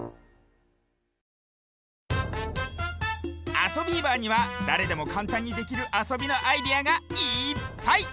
「あそビーバー」にはだれでもかんたんにできるあそびのアイデアがいっぱい！